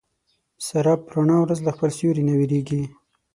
ساره په رڼا ورځ له خپل سیوري نه وېرېږي.